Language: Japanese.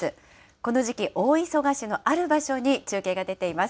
この時期、大忙しのある場所に中継が出ています。